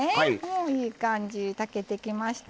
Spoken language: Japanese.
いい感じ、炊けてきました。